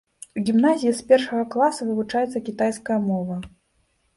У гімназіі з першага класа вывучаецца кітайская мова.